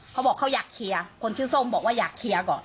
เขาบอกเขาอยากเคลียร์คนชื่อส้มบอกว่าอยากเคลียร์ก่อน